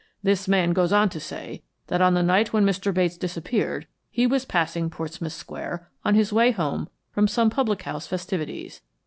This man goes on to say that on the night when Mr. Bates disappeared he was passing Portsmouth Square on his way home from some public house festivities.